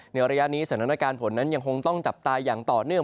ในระยะนี้สถานการณ์ฝนนั้นยังคงต้องจับตาอย่างต่อเนื่อง